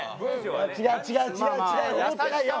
違う違う違う違う。